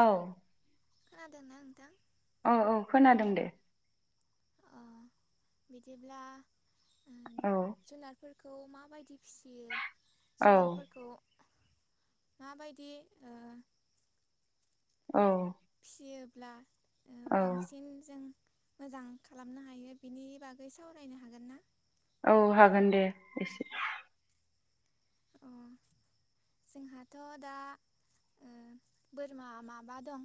औ खोनादोंना नोंथां? औ औ खोनादों दे। औ बिदिब्ला औ जुनारफोर खौ माबायदि फिसियो औ जुनारफोरखौ माबायदि औ फिसियोब्ला बांसिन जों मोजां खालामनो हायो बिनि बागै सावरायनो हागोन ना? औ हागोन दे एसे अ जोंहाथदा बोरमा माबा दं।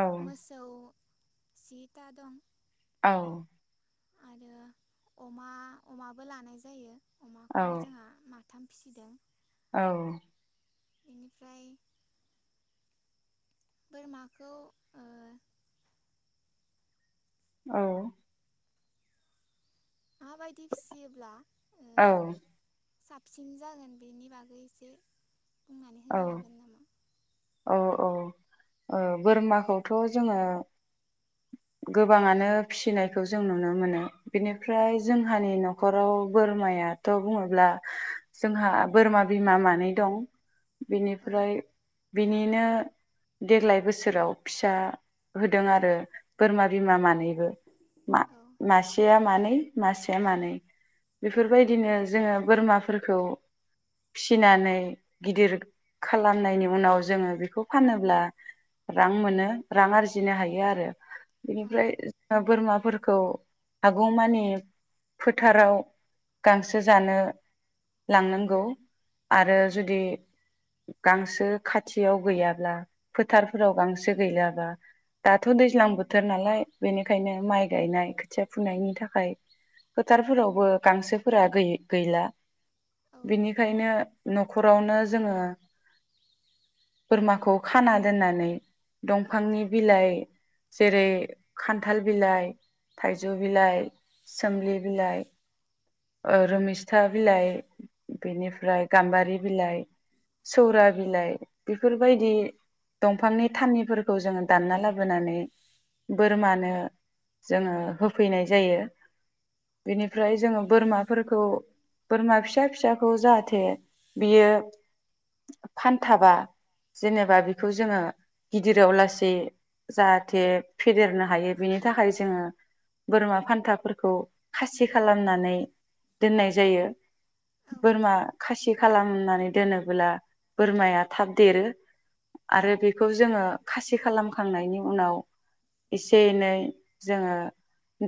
औ मोसौ जिता दं। औ आरो अमा अमाबो लानाय जायो। औ अमाखौ जोंहा मा थाम फिसिदों। औ औ बेनिफ्राय बोरमाखौ ओ औ माबायदि फिसियोब्ला? औ साबसिन जागोन बेनि बागै एसे बुं। औ-औ-औ बोरमाखौथ जोङो। गोबाङानो फिसिनायखौ जों नुनो, मोनो औ बिनिफ्राय जोंहानि नखराव बोरमायाथ बुङोब्ला जोंहा बोरमा बिमा मानै दं। औ बिनिफ्राय बिनि। बिदिनो देग्लाय बोसोराव फिसा होदों आरो। बोरमा बिमा मानैबो। मा औ मासे मानै। मासे मानै, औ बेफोरबायदिनो जोङो बोरमाफोरखौ फिसिनानै गिदिर खालामनायनि उनाव जोङो बेखौ फानोब्ला, रां मोनो रां आरजिनो हायो आरो। औ बेनिफ्राय, जो बोरमाफोरखौ हागौमानि फोथाराव गांसो जानो लांनांगौ, औ आरो जुदि गांसो खाथियाव गैयाब्ला फोथारफोराव गांसो गैलाबा दाथ दैज्लां। बोथोर नालाय बेनिखायनो माइ गायनाय खोथिया फुनायनि थाखाय फोथारफोरावबो गांसोफोरा गै गैला। औ बेनिखायनो। नखरावनो जोङो बोरमाखौ खाना दोननानै दंफांनि बिलाइ। जेरै खान्थाल बिलाइ, थाइजौ बिलाइ, सोमलि बिलाइ, रुमिस्था बिलाइ, बिनिफ्राय गाम्बारि बिलाइ, सौरा बिलाइ बेफोरबायदि दंफांनि थानिफोरखौ जोङो दानना लाबोनानै बोरमानो जोङो होफैनाय जायो औ बेनिफ्राय जोङो बोरमाफोरखौ बोरमा फिसा फिसाखौ जाहाथे बियो फानथाबा जेनेबा बेखौ जोङो गिदिराव लासै जा थे फेदेरनो हायो बिनि थाखाय जोङो बोरमा फान्थाफोरखौ खासि खालामनानै दोननाय जायो। बोरमा खासि खालामनानै दोनोब्ला बोरमाया थाब देरो औ आरो बेखौ जोङो खासि खालामखांनायनि उनाव। एसे एनै जोङो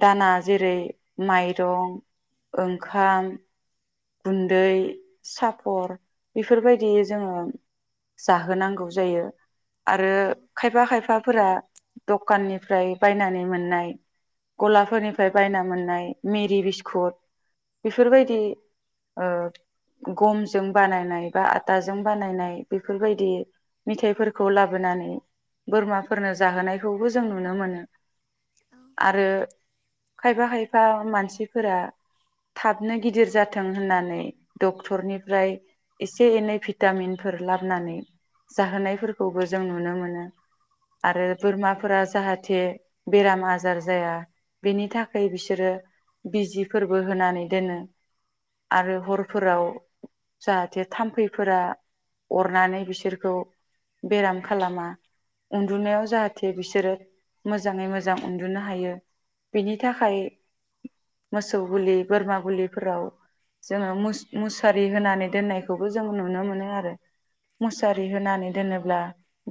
दाना जेरै माइरं, ओंखाम, गुन्दै, साफर बेफोरबायदि जोङो जाहोनांगौ जायो। आरो औ औ खायफा खायफाफोरा दखाननि फ्राय बायनानै मोननाय गलाफोरनिफ्राय बायना मोननाय मेरि बिस्कुट बेफोरबायदि ओ गमजों बानायनाय बा आटाजों बानायनाय बेफोरबायदि मेथायाइफोरखौ लाबोनानै बोरमाफोरनो जाहोनायखौबो जों नुनो मोनो। आरो खायफा खायफा मानसिफोरा थाबनो गिदिर जा फथों होननानै डक्टरनिफ्राय एसे एनै भिटामिनफोर लाबोनानै जाहोनायफोरखौबो जों नुनो मोनो, आरो बोरमाफोरा जाहाथे बेराम आजार जाया, बेनि थाखाय बिसोरो बिजिफोरबो होनानै दोनो। आरो हरफोराव जाहाथे थाम्फैफोरा अरनानै बिसोरखौ बेराम खालामा, उन्दुनायाव जाहाथे बिसोरो मोजाङै मोजां उन्दुनो हायो, बिनि थाखाय मोसौ गुलि बोरमा गुलिफोराव जोङो मुसारि होनानै दोननायखौबो जों नुनो मोनो आरो। मुसारि होनानै दोनो ब्ला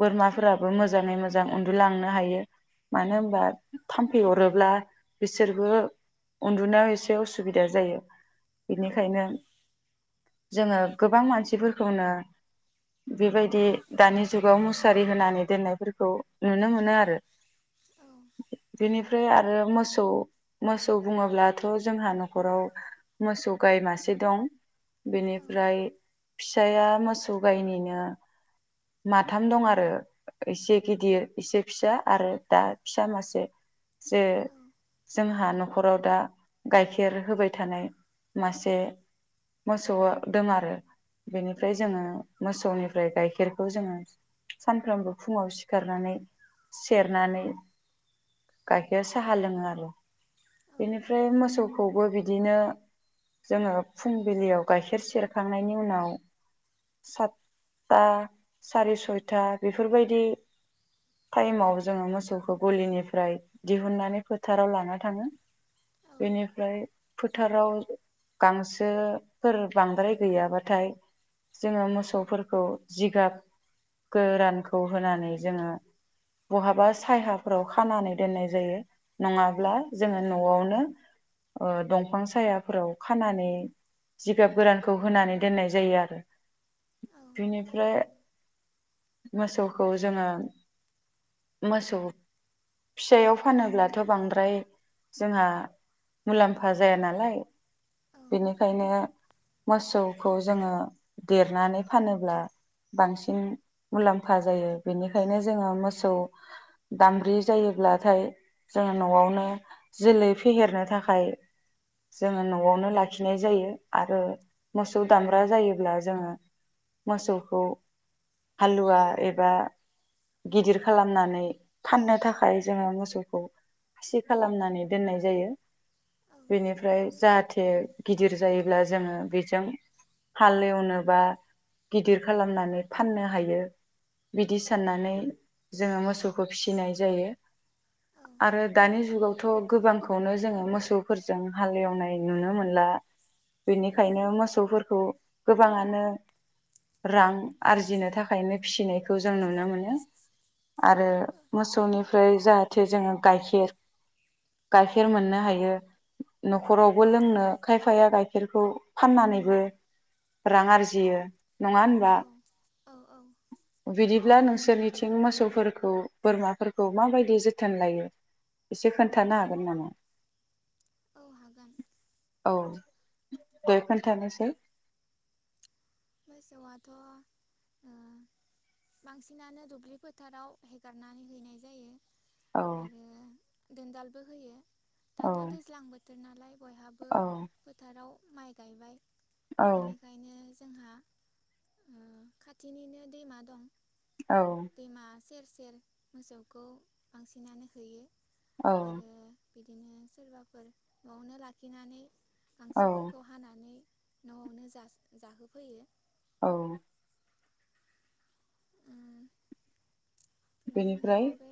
बोरमाफोराबो मोजाङै मोजां उन्दुलांनो हायो मानो होनबा थाम्फैहरोब्ला बिसोरबो उन्दुनायाव एसे उसुबिदा जायो। बेनिखायनो जोङो गोबां मानसिफोरखौनो बेबायदि दानि जुगाव मुसारि होनानै दोननायफोरखौ नुनो मोनो आरो बेनिफ्राय आरो मोसौ मोसौ बुङोब्लाथ जोंहा नखराव। मोसौ गाइ मासे दं बेनिफ्राय फिसाया मोसौ गायनिनो माथाम दं आरो एसे गिदिर एसे फिसा आरो दा फिसा मासे जे जोंहा नखराव दा गाइखेर होबाय थानाय। मासे मोसौ दं आरो, बेनिफ्राय जोङो मोसौनिफ्राय गाइखेरखौ जोङो सानफ्रोमबो फुङाव सिखारनानै सेरनानै, गाइखेर साहा लोङो आरो। बेनिफ्राय मोसौ। खौबो बिदिनो। जोङो फुंबिलियाव गाइखेर सेरखांनायनि उनाव, सातथा साराय सयथा बेफोरबायदि टाइमाव जोङो मोसौखौ गलिनिफ्राय दिहुननानै फोथाराव लाना थाङो, बेनिफ्राय फोथाराव गांसोफोर बांद्राय गैयाबाथाय जोङो मोसौफोरखौ जिगाब गोरानखौ होनानै जोङो बहाबा साहफोराव खानानै दोननाय जायो। नङाब्ला जोङो नआवनो। ओ दंफां साया फोराव खानानै जिगाब गोरानखौ होनानै दोननाय जायो आरो। बिनिफ्रा, ‌ मोसौखौ जोङो मोसौ फिसायाव फानोब्लाथ बांद्राय जोंहा मुलाम्फा जाया नालाय, बेनिखायनो मोसौखौ जोङो देरनानै फानोब्ला बांसिन मुलाम्फा जायो बेनिखायनो जोङो मोसौ दामब्रि जायोब्लाथाय जोङो नआवनो जोलै फेहेरनो थाखाय जोङो नआवनो लाखिनाय जायो आरो मोसौ दामब्रा जायोब्ला जोङो मोसौखौ हालुवा एबा गिदिर खालामनानै फाननो थाखाय जोङो मोसौखौ खासि खालामनानै दोननाय जायो। बेनिफ्राय जाहाथे गिदिर जायोब्ला जोङो बेजों हाल एवनोबा गिदिर खालामनानै फाननो हायो बिदि साननानै जोङो मोसौखौ फिसिनाय जायो आरो दानि जुगावथ गोबांखौनो जोङो मोसौफोरजों हाल एवनाय नुनो मोनला बेनिखायनो मोसौफोरखौ गोबाङानो रां आरजिनो थाखायनो फिसिनायखौ जों नुनो मोनो आरो मोसौनिफ्राय जाहाथे जोङो गाइखेर-गाइखेर मोननो हायो न खरावबो लोंनो खायफाया गाइखेरखौ फाननानैबो रां आरजियो नङा होनबा औ औ बिदिब्ला नोंसोरनिथिं मोसौफोरखौ बोरमाफोरखौ माबायदि जोथोन लायो एसे खोन्थानो हागोन नामा? औ हागोन। औ दे खोन्थानायसाय मोसौआथ ओ बांसिनानो दुब्लि फोथाराव हेगारनानै हैनाय जायो औ आरो दोनदालबो होयो। औ दाथ' दैज्लांबो बयहाबो औ फोथाराव माइ गायबाय औ बेनिखायनो जोंहा ओ खाथिनिनो दैमा दं औ दैमा सेर सेर मोसौखौ बांसिनानो होयो। औ आरो बिदिनो सोरबाफोर न'आवनो लाखिनानै औ गांसोफोरखौ हानानै न'आवनो जासो-जाहो फैयो। औ उम बेनि उनाव बेनिफ्राय बे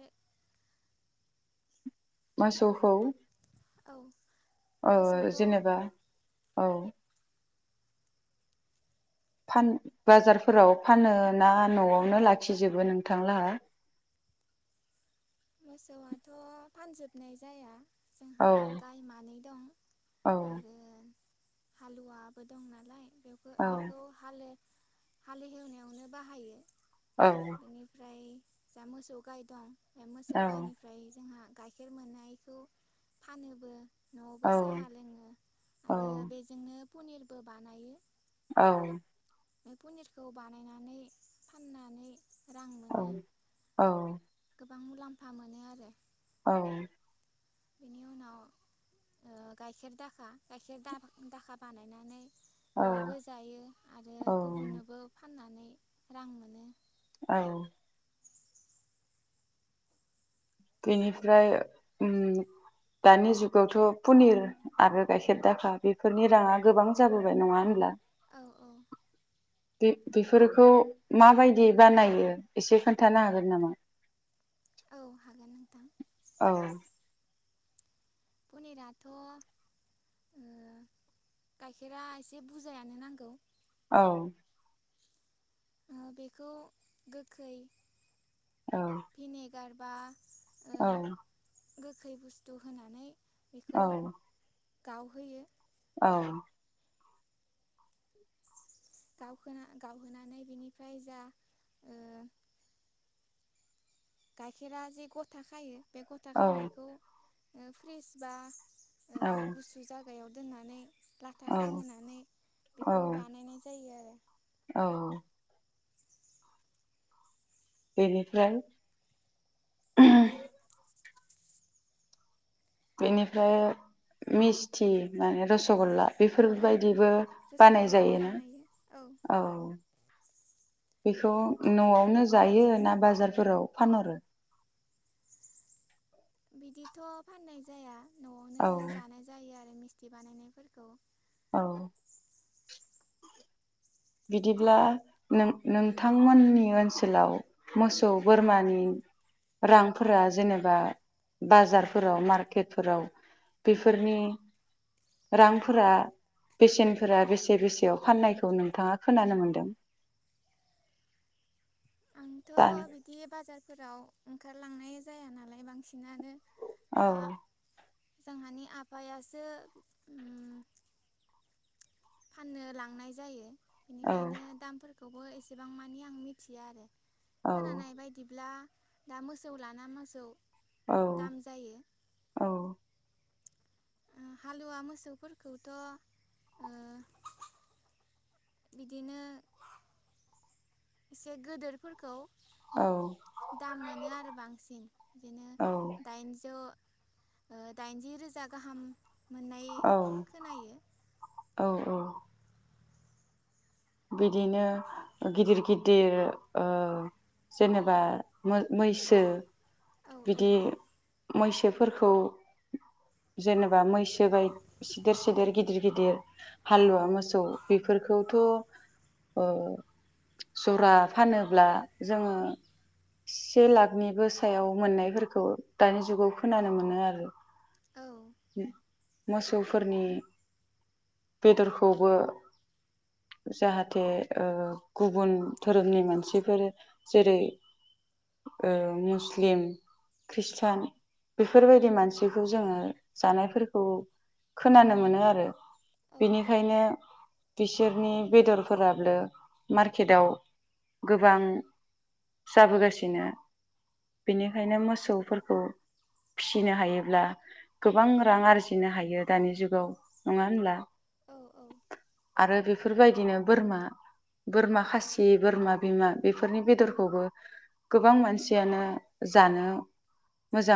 मोसौखौ औ औ मोसौखौ जेनेबा औ फान बाजारफोराव फानो ना न'आवनो लाखिजोबो नोंथांलाहा मोसौआथ फानजोबनाय जाया औ जोंहा गाय मानै दं औ आरो हालुवाबो दं नालाय बेखौ औ बेखौ हाले हालि हेवनायावनो बाहायो। औ बेनिफ्राय जा मोसौ गाय दं बे मोसौ औ गाइनिफ्राय जोंहा गाइखेर मोननायखौ फानोबो। न'आवबो औ साहा लोङो आरो बेजोंनो पनिरबो बानायो। औ। बे पनिरखौ बानायनानै फाननानै रा औ औ। रां गोबां मुलाम्फा मोनो आरो। औ। बेनि उनाव ओ गाइखेर दाखा गाइखेर दाबा दाखा बानायनानै औ न'आवबो जायो आरो औ गुबुननोबो फानना नै रां मोनो। औ। बेनिफ्राय उम दानि जुगावथ' पनिर आरो गाइखेर दाखा बेफोरनि राङा गोबां जाबोबाय नङा होनब्ला? औ औ। बे बेफोरखौ माबायदि बानायो एसे खोन्थानो हागोन नामा? औ हागो औ। पनिराथ' ओ गाइखेरा एसे बुरजायानो नांगौ। औ। ओ बेखौ गोखै औ। गारबा औ। गोखै बुस्थु होनानै बिखौ औ गावहैयो। औ। गावहोना गावहोनानै बिनिफ्राय जा ओ गाइखेरा जे गथा खायो बे गथा औ खानायखौ फ्रिज बा ओ गुसु जा ग्रायाव दोननानै लाथा औ खाहोनानै औ बेखौ बानायनाय जायो आरो। औ बेनिफ्राय बेनिफ्राय मिस्थि माने रस गला औ औ बेफोरबायदिबो बानाय रसगल्लाबो जायोना? बानायो औ। बेखौ न'आवनो जायो ना बाजारफोराव फानहरो? बिदिथ' फाननाय जाया न'आवनो औ जानाय जायो आरो बिदि बानायनायफोरखौ औ। बिदिब्लाों नों-नोंथांमोननि ओनसोलाव मोसौ बोरमानि रांफोरा जेनेबा बाजारफोराव मार्केटफोराव बेफोरनि रांफोरा बेसेनफोरा बेसे बेसेयाव फाननायखौ नोंथाङा खोनानो मोनदों। आंथ' दा बिदि बाजार फोराव ओंखारलांनाय जाया नालाय बांसिनानो औ। दा जोंहानि आफायासो उम फाननो लांनाय जायो औ बेनिखायनो दामफोर खौबो एसेबां मानि आं मिथिया आरो औ खोनानाय बायदिब्ला दा मोसौ लाना मोसौ औ दाम जायो औ। हालुवा मोसौफोरखौथ' ओ बिदिनो एसे गोदोरफोरखौ औ दाम मोनो आरो बांसिन बिदिनो दाइनजौ दाइनजि रोजा गाहाम मोननाय औ खोनायो औ औ बिदिनो गिदिर गिदिर ओ जेनेबा मै-मैसो औ औ बिदि मैसोफोरखौ जेनेबा मैसो बाय सिदेर सिदेर गिदिर गिदिर हालुवा मोसौ बेफोरखौथ' ओ जरा फानोब्ला जोङो से लाखनिबो सायाव मोननायफोरखौ दानि जुगाव खोनानो मोनो आरो औ उम मोसौफोरनि बेदरखौबो जाहाथे गुबुन धोरोमनि मानसिफोर जेरै ओ मुस्लिम ख्रृष्टान बेफोरबायदि मानसिखौ जोङो जानायफोरखौ खोनानो मोनो आरो औ बेनिखायनो बिसोरनि बेदरफोराबो मार्केटआव गोबां जाबोगासिनो बेनिखायनो मोसौफोरखौ फिसिनो हायोब्ला गोबां रां आरजिनो हायो दानि जुगाव नङा होनब्ला? औ औ आरो बे फोरबायदिनो बोरमा बोरमा खासि बोरमा बिमा बेफोरनि बेदरखौबो गोबां मानसियानो जानो मोजां